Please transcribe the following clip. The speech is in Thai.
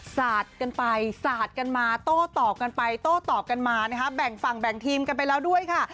สาดกันไปสาดกันมาโต้ตอบกันไปโต้ตอบกันมานะคะแบ่งฝั่งแบ่งทีมกันไปแล้วด้วยค่ะ